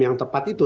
yang tepat itu